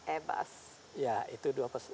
ebus ya itu